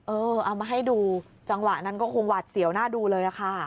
เอามาให้ดูจังหวะนั้นก็คงหวาดเสียวหน้าดูเลยอะค่ะ